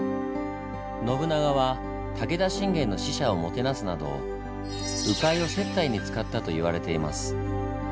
信長は武田信玄の使者をもてなすなど鵜飼を接待に使ったと言われています。